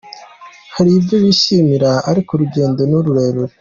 Hari ibyo bishimira ariko urugendo ni rurerure.